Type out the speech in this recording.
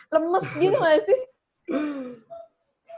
lemes gitu gak sih